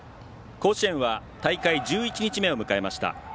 甲子園は大会１１日目を迎えました。